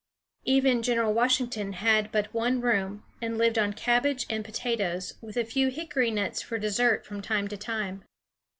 Even General Washington had but one room, and lived on cabbage and potatoes, with a few hickory nuts for dessert from time to time.